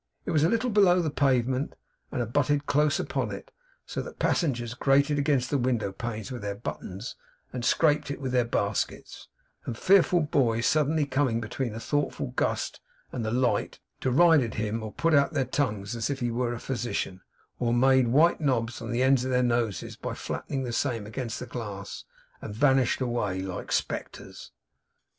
It was a little below the pavement, and abutted close upon it; so that passengers grated against the window panes with their buttons, and scraped it with their baskets; and fearful boys suddenly coming between a thoughtful guest and the light, derided him, or put out their tongues as if he were a physician; or made white knobs on the ends of their noses by flattening the same against the glass, and vanished awfully, like spectres.